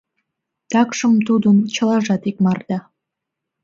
Такшым тудын чылажат икмарда.